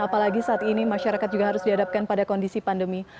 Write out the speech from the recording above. apalagi saat ini masyarakat juga harus dihadapkan pada kondisi pandemi